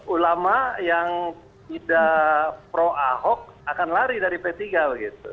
ulama yang tidak pro ahok akan lari dari p tiga begitu